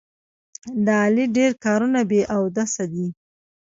د علي ډېر کارونه بې اودسه دي.